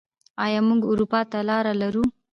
آیا موږ اروپا ته لاره لرو؟